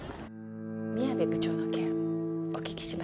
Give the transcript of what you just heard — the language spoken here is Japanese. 宮部部長の件お聞きしました。